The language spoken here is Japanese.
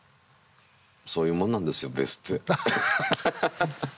そういうもんなんですよベースって。